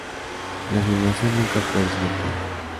La afirmación nunca fue desmentida.